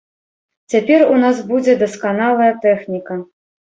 Цяпер у нас будзе дасканалая тэхніка.